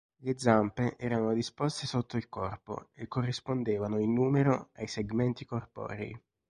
Le zampe erano disposte sotto il corpo e corrispondevano, in numero, ai segmenti corporei.